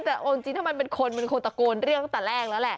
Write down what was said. แต่เอาจริงถ้ามันเป็นคนมันคงตะโกนเรื่องตั้งแต่แรกแล้วแหละ